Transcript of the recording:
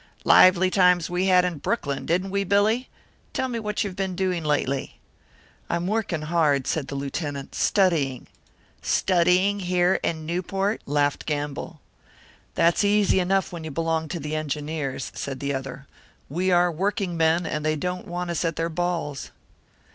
"Lively times we had in Brooklyn, didn't we, Billy? Tell me what you have been doing lately." "I'm working hard," said the Lieutenant "studying." "Studying here in Newport?" laughed Gamble. "That's easy enough when you belong to the Engineers," said the other. "We are working men, and they don't want us at their balls."